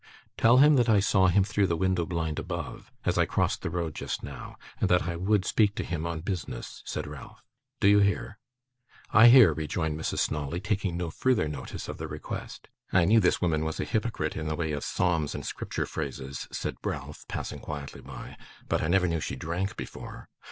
'Tell him that I saw him through the window blind above, as I crossed the road just now, and that I would speak to him on business,' said Ralph. 'Do you hear?' 'I hear,' rejoined Mrs. Snawley, taking no further notice of the request. 'I knew this woman was a hypocrite, in the way of psalms and Scripture phrases,' said Ralph, passing quietly by, 'but I never knew she drank before.